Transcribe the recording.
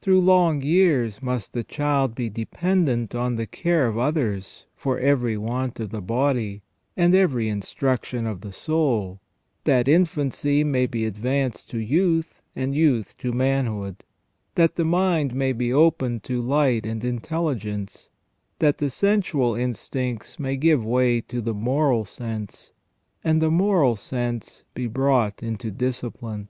Through long years must the child be dependent on the care of others for every want of the body, and every instruction of the soul, that infancy may be advanced to youth, and youth to manhood ; that the mind may be opened to light and intelligence ; that the sensual instincts may give way to the moral sense, and the moral sense be brought into discipline.